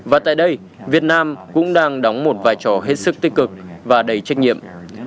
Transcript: và tại đây việt nam cũng đang đóng một vai trò hết sức tích cực và đầy trách nhiệm